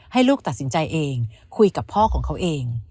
ให้ลูกตัดสินใจเองคุยกับพ่อของเขาเอง